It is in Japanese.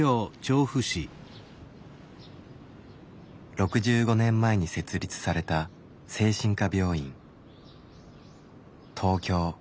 ６５年前に設立された精神科病院。